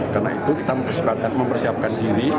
karena itu kita mempersiapkan diri